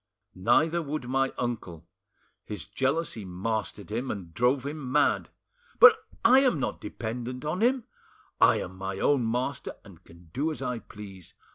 Neither would my uncle; his jealousy mastered him and drove him mad— "But I am not dependent on him; I am my own master, and can do as I please.